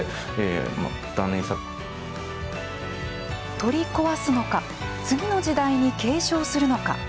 取り壊すのか次の時代に継承するのか。